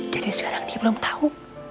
jadi sekarang dia belum tau